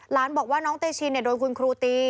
ล้านบอกว่าน้องเตชินเนี่ยโดยคุณครูตี